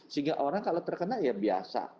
sehingga orang kalau terkena ya biasa